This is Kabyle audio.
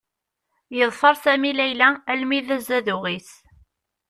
Yeḍfer Sami Layla almi d azaduɣ-is.